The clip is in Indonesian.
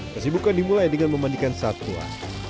kesibukan dimulai dengan memandikan satwa